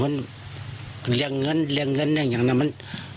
มันเลี้ยงเงินเลี่ยงเงินยังไงมัน